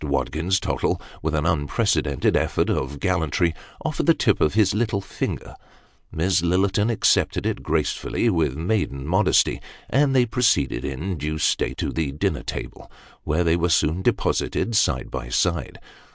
Watkins Tottle, with an unprecedented effort of gallantry, offered the tip of his little finger ; Miss Lillerton accepted it gracefully, with maiden modesty ; and they proceeded in due state to the dinner table, where they were soon deposited side by side.